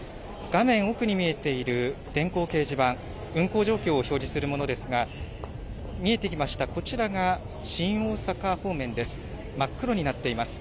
画面奥に見えている電光掲示板、運行状況を表示するものですが、見えてきました、こちらが新大阪方面です。